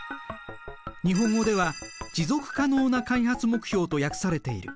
日本語では持続可能な開発目標と訳されている。